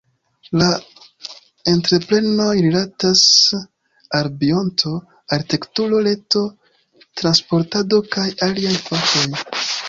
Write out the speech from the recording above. La entreprenoj rilatas al bionto, arkitekturo, reto, transportado kaj aliaj fakoj.